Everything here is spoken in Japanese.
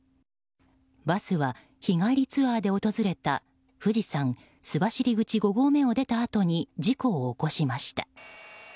バスは日帰りツアーで訪れた富士山須走口５合目を出たあとに事故を起こしました。